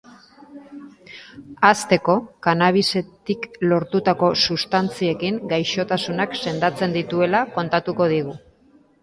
Hasteko, cannabis-etik lortutako sustantziekin gaixotasunak sendatzen dituela kontatuko digu.